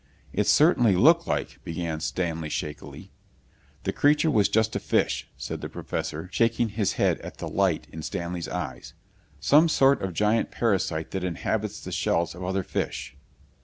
"It certainly looked like " began Stanley shakily. "The creature was just a fish," said the Professor shaking his head at the light in Stanley's eyes. "Some sort of giant parasite that inhabits the shells of other fish."